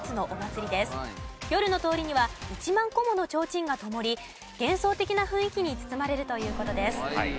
夜の通りには１万個もの提灯が灯り幻想的な雰囲気に包まれるという事です。